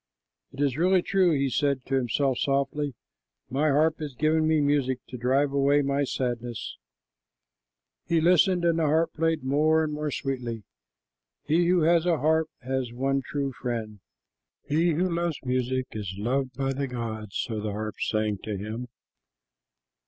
"It is really true," he said to himself softly. "My harp is giving me music to drive away my sadness." He listened, and the harp played more and more sweetly. "He who has a harp has one true friend. He who loves music is loved by the gods," so the harp sang to him.